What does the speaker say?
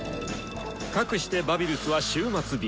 かくしてバビルスは「終末日」。